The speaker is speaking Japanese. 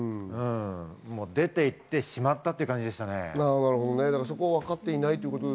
出て行ってしまったという感じでしたね。